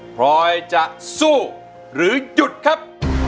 พลอยจะสู้หรือหยุดครับ